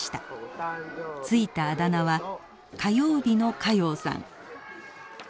付いたあだ名は「火曜日の加用さん」。